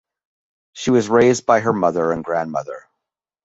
She was raised by her mother and grandmother.